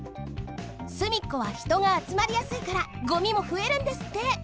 すみっこはひとがあつまりやすいからごみもふえるんですって。